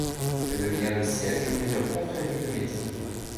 Elle devient le siège de plusieurs confréries de métiers.